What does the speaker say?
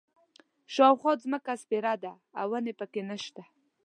شاوخوا ځمکه سپېره ده او ونې په کې نه شته.